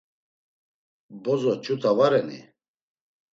Bozo ç̌ut̆a va reni?